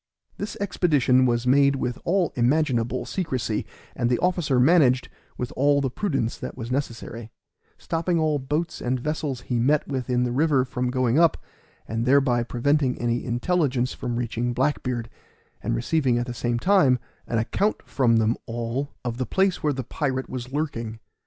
This expedition was made with all imaginable secrecy, and the officer managed with all the prudence that was necessary, stopping all boats and vessels he met with in the river from going up, and thereby preventing any intelligence from reaching Black beard, and receiving at the same time an account from them all of the place where the pirate was lurking.